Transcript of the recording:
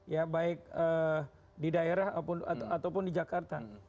ya baik di daerah ataupun di jakarta